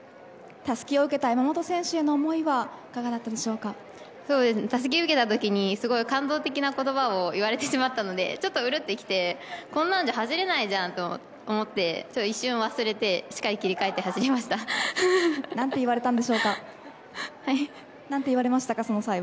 たすきを受けた山本選手への思いはたすきを受けたときに感動的な言葉を言われてしまったのでちょっとうるっときてこんなんじゃ走れないじゃんと思って一瞬忘れて、しっかり切り替えて何て言われたんでしょうか。